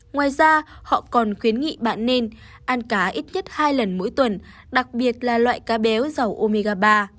ngoài ra họ còn khuyến nghị bạn nên ăn cá ít nhất hai lần mỗi tuần đặc biệt là loại cá béo giàu omega ba